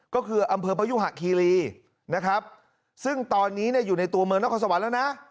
ก็คืออำเภอพยุหะคีรีนะครับซึ่งตอนนี้เนี่ยอยู่ในตัวเมืองนครสวรรค์แล้วนะ